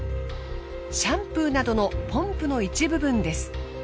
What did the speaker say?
シャンプーなどのポンプの一部分です。